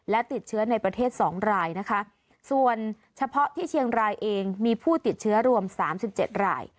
และติดเชื้อในประเทศสองรายนะคะส่วนเฉพาะที่เชียงรายเองมีผู้ติดเชื้อรวมสามสิบเจ็ดราย